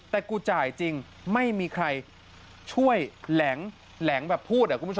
แต่กูจ่ายจริงไม่มีใครช่วยแหลงแบบพูด